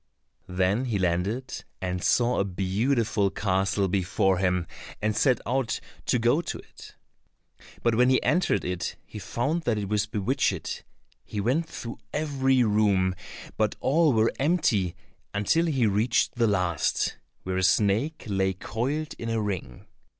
Then he landed and saw a beautiful castle before him, and set out to go to it. But when he entered it, he found that it was bewitched. He went through every room, but all were empty until he reached the last, where a snake lay coiled in a ring.